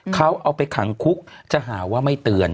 เขาเอาไปขังคุกจะหาว่าไม่เตือน